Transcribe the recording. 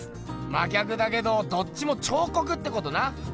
真逆だけどどっちも彫刻ってことな！